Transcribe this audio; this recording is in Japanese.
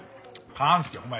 勘介お前